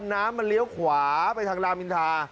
น้ำมันเลี้ยวขวาไปทางรามอินทา